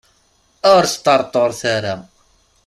Ur sṭerṭuret ara.